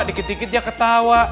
dikit dikit dia ketawa